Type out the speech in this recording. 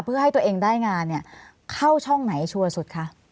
เพื่อให้ตัวเองได้งานเนี่ยเข้าช่องไหนชัวร์สุดคะ